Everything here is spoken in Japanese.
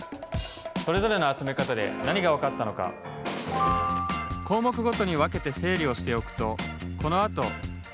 それぞれの集め方で何がわかったのかこうもくごとに分けて整理をしておくとこのあと分析がしやすくなります。